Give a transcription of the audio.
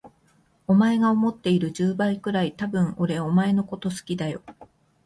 お前が思っている十倍くらい、多分俺お前のこと好きだよ。